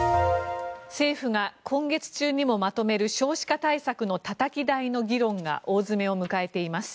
政府が今月中にもまとめる少子化対策のたたき台の議論が大詰めを迎えています。